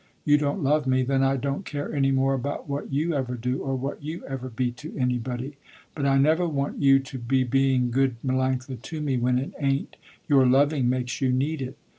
You don't love me, then I don't care any more about what you ever do or what you ever be to anybody. But I never want you to be being good Melanctha to me, when it ain't your loving makes you need it.